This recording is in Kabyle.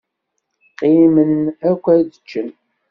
Qqimen akk ad ččen.